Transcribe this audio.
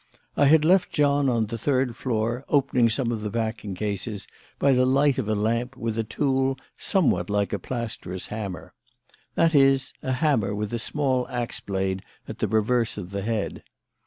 I had left John on the third floor opening some of the packing cases by the light of a lamp with a tool somewhat like a plasterer's hammer; that is, a hammer with a small axe blade at the reverse of the head.